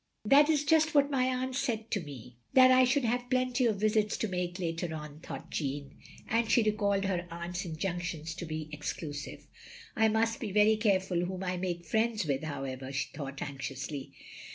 " "That is just what my aunt said to me; that 90 THE LONELY LADY I shotdd have plenty of visits to make later on, thought Jeanne, and she recalled her aunt's in junctions to be exclusive. "I must be very careftd whom I make friends with, however," she thought, anxiously.